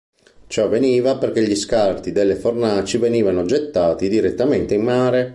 Ciò avveniva perché gli scarti delle fornaci venivano gettati direttamente in mare.